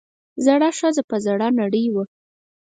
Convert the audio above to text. زړه ښځه پۀ زړۀ نرۍ وه ـ